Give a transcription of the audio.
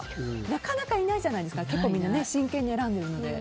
なかなかいないじゃないですかみんな真剣に選んでるので。